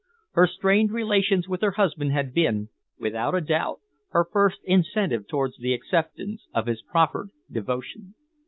Her strained relations with her husband had been, without a doubt, her first incentive towards the acceptance of his proffered devotion.